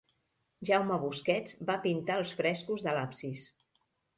Jaume Busquets va pintar els frescos de l'absis.